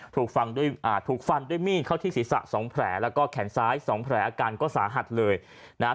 ถูกฟันด้วยอ่าถูกฟันด้วยมีดเข้าที่ศีรษะสองแผลแล้วก็แขนซ้ายสองแผลอาการก็สาหัสเลยนะฮะ